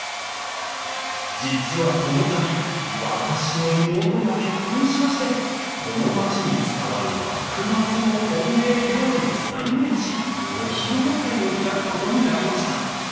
「実はこの度私の妹が結婚しましてこの町に伝わる幕末の婚礼料理を再現しお披露目会を開くことになりました。